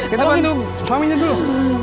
kita bantu suaminya dulu